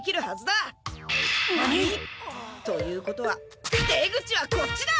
何？ということは出口はこっちだ！